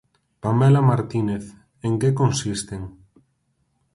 Pamela Martínez, en que consisten?